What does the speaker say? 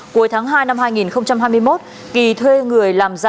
cuối tháng hai năm hai nghìn hai mươi một kỳ thuê người làm giả